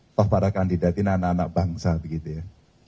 atau para kandidat ini anak anak bangsa begitu ya